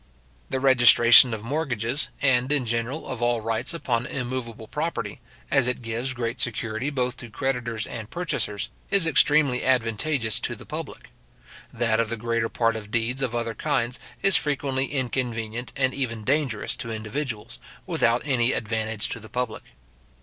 The registration of mortgages, and in general of all rights upon immoveable property, as it gives great security both to creditors and purchasers, is extremely advantageous to the public. That of the greater part of deeds of other kinds, is frequently inconvenient and even dangerous to individuals, without any advantage to the public.